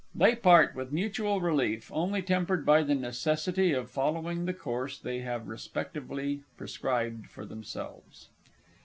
[_They part with mutual relief, only tempered by the necessity of following the course they have respectively prescribed for themselves.